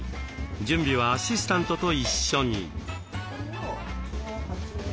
準備はアシスタントと一緒に。